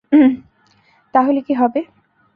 তাহলে কি হবে?